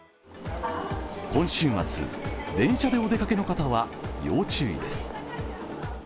今週末、電車でお出かけの方は要注意です。